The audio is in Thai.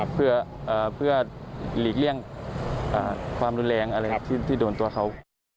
เพื่อหลีกเลี่ยงความรุนแรงอะไรที่โดนตัวเขา